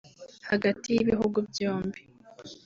hagati y’ibihugu byombi